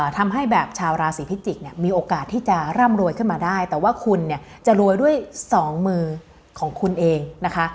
ทำให้แบบชาวราศีพิจิกเนี่ยมีโอกาสที่จะร่ำรวยขึ้นมาได้แต่ว่าคุณเนี่ยจะรวยด้วยสองมือของคุณเองนะคะ